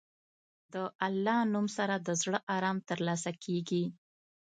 د الله نوم سره د زړه ارام ترلاسه کېږي.